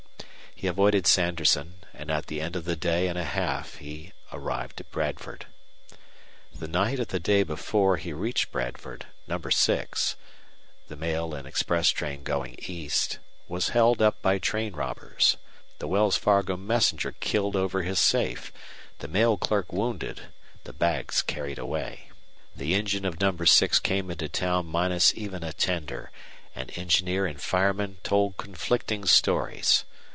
He avoided Sanderson, and at the end of the day and a half he arrived at Bradford. The night of the day before he reached Bradford, No. 6, the mail and express train going east, was held up by train robbers, the Wells Fargo messenger killed over his safe, the mail clerk wounded, the bags carried away. The engine of No. 6 came into town minus even a tender, and engineer and fireman told conflicting stories.